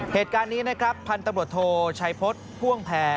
เหตุการณ์นี้นะครับพันธบทโทรชัยพจน์พ่วงแพร่